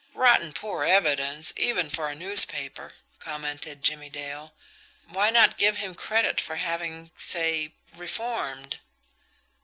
"Rotten poor evidence, even for a newspaper," commented Jimmie Dale. "Why not give him credit for having, say reformed?"